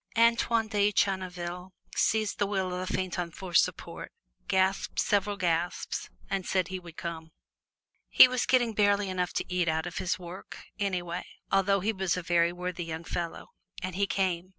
Antoine de Channeville seized the wheel of the phaeton for support, gasped several gasps, and said he would come. He was getting barely enough to eat out of his work, anyway, although he was a very worthy young fellow. And he came.